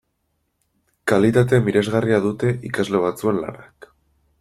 Kalitate miresgarria dute ikasle batzuen lanak.